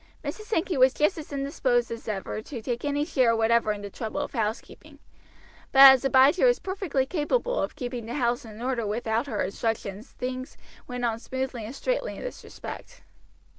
Mrs. Sankey was just as indisposed as ever to take any share whatever in the trouble of housekeeping, but as Abijah was perfectly capable of keeping the house in order without her instructions things went on smoothly and straightly in this respect.